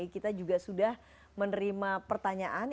kita juga sudah menerima pertanyaan